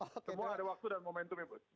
semua ada waktu dan momentum ya bud